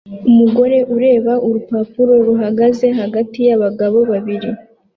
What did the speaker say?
Umugore ureba urupapuro ruhagaze hagati yabagabo babiri